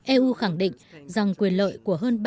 eu khẳng định rằng quyền lợi của hơn